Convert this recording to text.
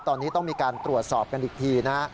ตอนนี้ต้องมีการตรวจสอบกันอีกทีนะฮะ